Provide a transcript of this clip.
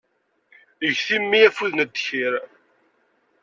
Get i mmi afud n ddkir.